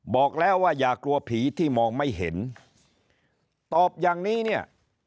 บอกแล้วว่าอย่ากลัวผีที่มองไม่เห็นตอบอย่างนี้เนี่ย